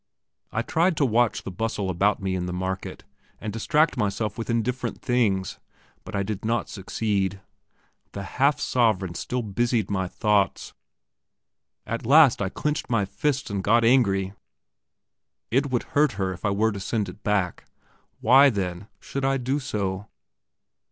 I tried to watch the bustle about me in the market, and distract myself with indifferent things, but I did not succeed; the half sovereign still busied my thoughts. At last I clenched my fists and got angry. It would hurt her if I were to send it back. Why, then, should I do so?